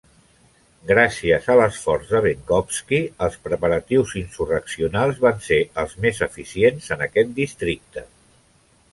Gràcies a l'esforç de Benkovski, els preparatius insurreccionals van ser els més eficients en aquest districte.